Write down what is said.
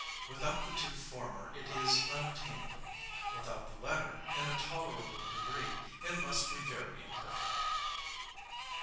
Without the two former it is unattainable. Without the latter in a tolerable degree, it must be very imperfect.